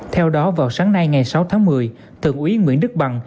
theo đó vào sáng nay ngày sáu tháng một mươi thượng úy nguyễn đức bằng